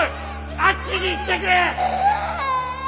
あっちに行ってくれ！